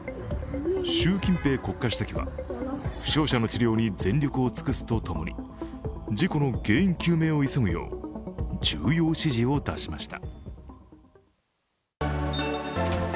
習近平国家主席は負傷者の治療に全力を尽くすとともに事故の原因究明を急ぐよう重要指示を出しました。